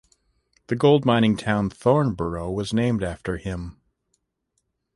The gold mining town Thornborough was named after him.